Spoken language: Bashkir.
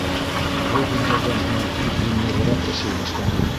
Был һүҙҙәрҙән һуң мин нығыраҡ өшөй башланым.